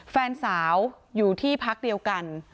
แฟนสาวอยู่ที่พักเดียวกัน